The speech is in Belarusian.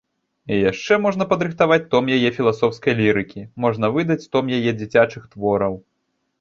Яшчэ можна падрыхтаваць том яе філасофскай лірыкі, можна выдаць том яе дзіцячых твораў.